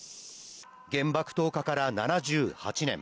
原爆投下から７８年。